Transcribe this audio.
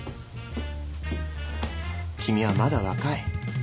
君はまだ若い。